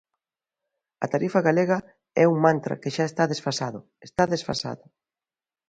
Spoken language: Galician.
A tarifa galega é un mantra que xa está desfasado, está desfasado.